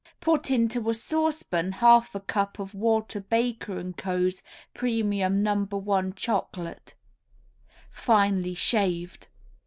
Put into a saucepan half a cup of Walter Baker & Co.'s Premium No. 1 Chocolate, finely shaved.